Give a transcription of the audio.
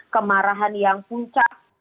kemarahan yang puncak